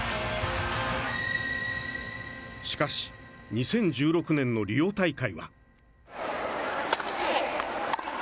しかし２０１６年のリオ大会は。